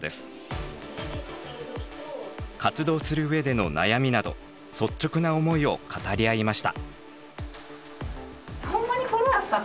活動する上での悩みなど率直な思いを語り合いました。